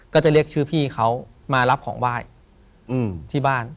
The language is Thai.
ก็จะเรียกชื่อพี่เขามารับของไหว้ที่บ้าน